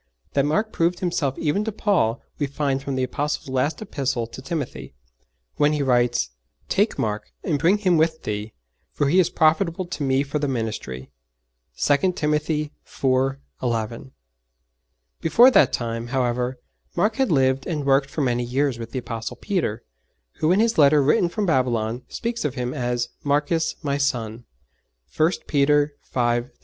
That Mark proved himself even to Paul we find from the Apostle's last Epistle to Timothy, when he writes: 'Take Mark, and bring him with thee: for he is profitable to me for the ministry.' (2 Timothy iv. 11.) Before that time, however, Mark had lived and worked for many years with the Apostle Peter, who in his letter written from Babylon speaks of him as 'Marcus my son.' (1 Peter v. 13.)